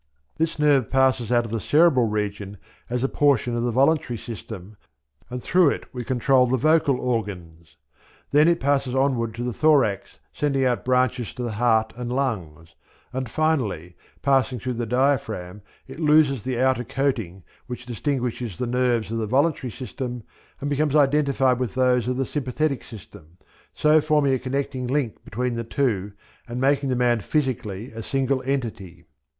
This nerve passes out of the cerebral region as a portion of the voluntary system, and through it we control the vocal organs; then it passes onwards to the thorax sending out branches to the heart and lungs; and finally, passing through the diaphragm, it loses the outer coating which distinguishes the nerves of the voluntary system and becomes identified with those of the sympathetic system, so forming a connecting link between the two and making the man physically a single entity.